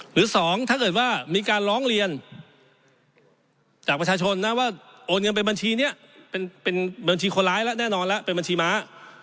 หรือสองถ้าเกิดว่ามีการร้องเรียนจากประชาชนนะว่าโอนเงินไปบัญชีนี้เป็นบัญชีคนร้ายแล้วแน่นอนแล้วเป็นบัญชีม้า